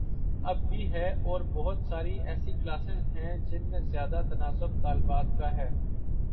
اب بھی ہے اور بہت ساری ایسی کلاسز ہیں جن میں زیادہ تناسب طالبات کا ہے۔